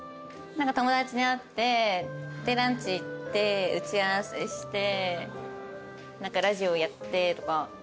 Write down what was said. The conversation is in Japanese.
友達に会ってランチ行って打ち合わせしてラジオやってとか。